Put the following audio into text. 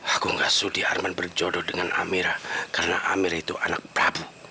aku gak sudi arman berjodoh dengan amira karena amira itu anak prabu